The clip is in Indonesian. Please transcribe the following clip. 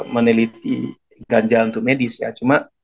meneliti ganja untuk medis ya cuma